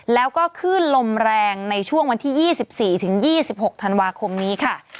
แล้วก็ขึ้นลมแรงในช่วงวันที่๒๔ถึง๒๖ธันวาคมนี้ค่ะ